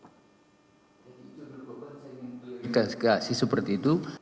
saya ingin memberi kasih seperti itu